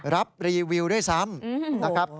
รับรีวิวด้วยซ้ำ